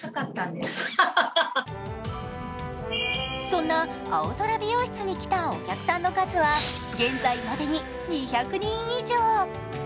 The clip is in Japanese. そんな青空美容室に来たお客さんの数は現在までに２００人以上。